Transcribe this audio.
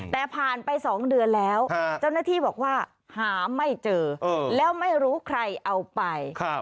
แต่ผ่านไป๒เดือนแล้วเจ้าหน้าที่บอกว่าหาไม่เจอแล้วไม่รู้ใครเอาไป